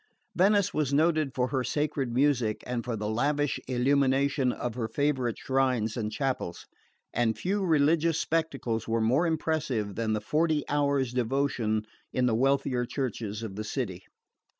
Venice was noted for her sacred music and for the lavish illumination of her favourite shrines and chapels; and few religious spectacles were more impressive than the Forty Hours' devotion in the wealthier churches of the city.